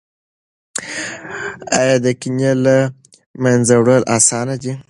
ایا د کینې له منځه وړل اسانه دي؟